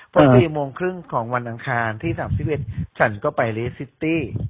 เพราะสี่โมงครึ่งของวันอังคารที่สามสิบเอ็ดฉันก็ไปเรซ์ซิตี้